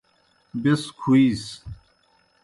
بیْس کُھوِیس۔